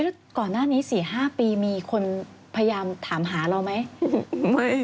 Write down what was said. แล้วก่อนหน้านี้๔๕ปีมีคนพยายามถามหาเราไหม